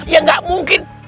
ya enggak mungkin